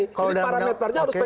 jadi parameternya harus pkpu